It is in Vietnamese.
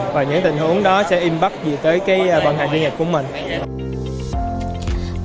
và những tình huống đó sẽ giúp mình có thể tìm ra những tình huống gì có thể xảy ra